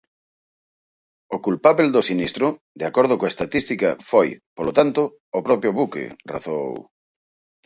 O culpábel do sinistro, de acordo coa estatística, foi, polo tanto, o propio buque, razoou.